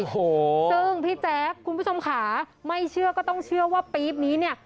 ซึ่งพี่แจ๊คคุณผู้ชมค่ะไม่เชื่อก็ต้องเชื่อว่าปี๊บนี้เนี่ย